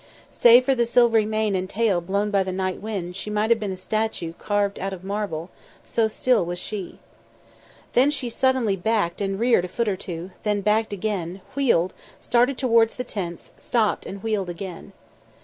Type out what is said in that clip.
Save for the silvery mane and tail blown by the night wind she might have been a statue carved out of marble, so still was she. Then she suddenly backed and reared a foot or two, then backed again; wheeled; started towards the tents; stopped and wheeled again.